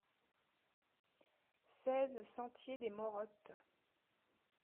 seize sentier des Morottes